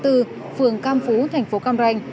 phường cam phú thành phố cam ranh